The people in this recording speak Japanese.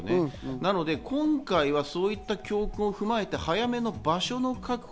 だから今回はそういった教訓を踏まえて早めの場所の確保。